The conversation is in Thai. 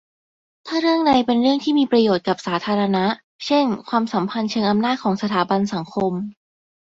ถ้าเรื่องใดเป็นเรื่องที่มีประโยชน์กับสาธารณะ เช่นความสัมพันธ์เชิงอำนาจของสถาบันสังคม